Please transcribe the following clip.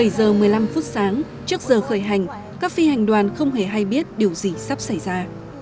bảy giờ một mươi năm phút sáng trước giờ khởi hành các phi hành đoàn không hề hay biết điều gì sắp xảy ra